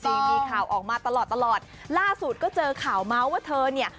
มีข่าวออกมาตลอดตลอดล่าสุดก็เจอข่าวเมาส์ว่าเธอเนี่ย